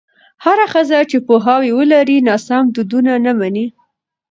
هره ښځه چې پوهاوی ولري، ناسم دودونه نه مني.